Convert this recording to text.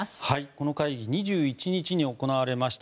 この会議２１日に行われました。